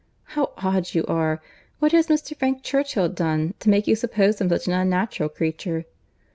"How odd you are! What has Mr. Frank Churchill done, to make you suppose him such an unnatural creature?"